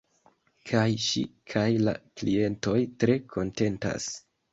Kaj ŝi kaj la klientoj tre kontentas.